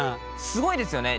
すごいですよね。